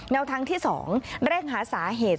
แนวทางที่๒เร่งหาสาเหตุ